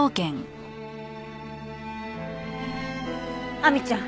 亜美ちゃん